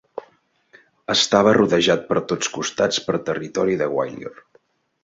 Estava rodejat per tots costats per territori de Gwalior.